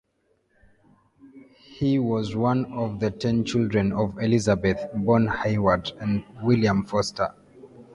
He was one of the ten children of Elizabeth (born Hayward) and William Forster.